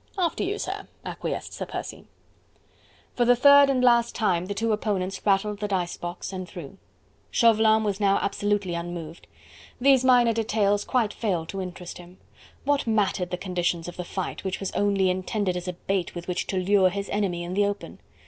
"After you, sir," acquiesced Sir Percy. For the third and last time the two opponents rattled the dice box and threw. Chauvelin was now absolutely unmoved. These minor details quite failed to interest him. What mattered the conditions of the fight which was only intended as a bait with which to lure his enemy in the open?